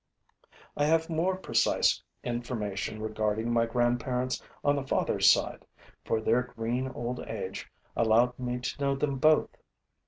I have more precise information regarding my grandparents on the father's side, for their green old age allowed me to know them both.